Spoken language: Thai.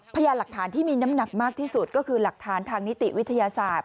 พยานหลักฐานที่มีน้ำหนักมากที่สุดก็คือหลักฐานทางนิติวิทยาศาสตร์